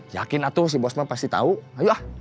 yakin atuh si bos mbah pasti tahu ayo ah